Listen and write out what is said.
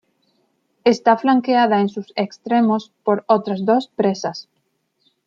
Está flanqueada en sus extremos por otras dos presas.